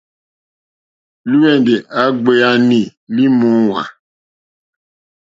Lìhwɛ̀ndì á gbēánì lì mòóŋwà.